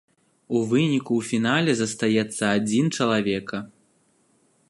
У выніку ў фінале застаецца адзін чалавека.